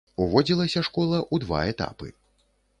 Уводзілася школа ў два этапы.